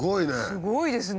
すごいですね。